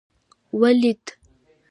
ولد؟